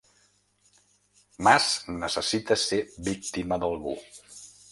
Mas necessita ser víctima d’algú.